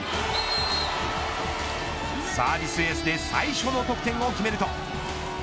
サービスエースで最初の得点を決めると。